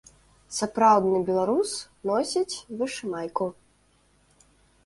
Сапраўдны беларус носіць вышымайку.